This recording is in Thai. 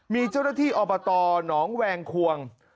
มีเจ้าหน้าที่อบตหนองแวงควง